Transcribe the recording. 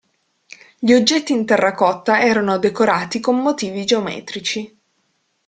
Gli oggetti in terracotta erano decorati con motivi geometrici.